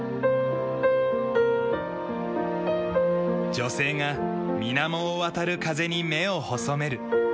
女性が水面を渡る風に目を細める。